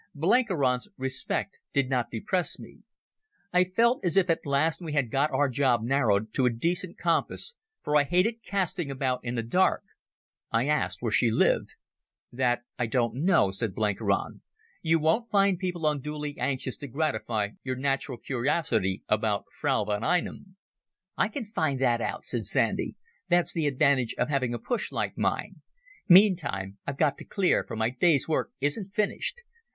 Blenkiron's respect did not depress me. I felt as if at last we had got our job narrowed to a decent compass, for I had hated casting about in the dark. I asked where she lived. "That I don't know," said Blenkiron. "You won't find people unduly anxious to gratify your natural curiosity about Frau von Einem." "I can find that out," said Sandy. "That's the advantage of having a push like mine. Meantime, I've got to clear, for my day's work isn't finished.